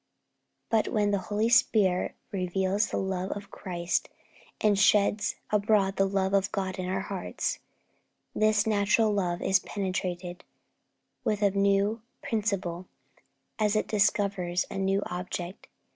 But when the Holy Spirit reveals the love of Christ, and sheds abroad the love of God in our hearts, this natural love is penetrated with a new principle as it discovers a new Object.